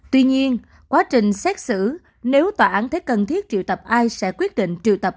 tuy nhiên quá trình xét xử nếu tòa án thấy cần thiết triệu tập ai sẽ quyết định triệu tập